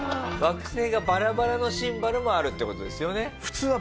惑星がバラバラのシンバルもあるって事ですよね？